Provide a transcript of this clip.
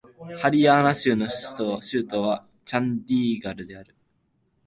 ハリヤーナー州の州都はチャンディーガルである